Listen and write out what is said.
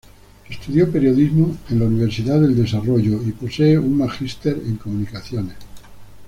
Estudió periodismo en la Universidad del Desarrollo y posee un magíster en comunicaciones.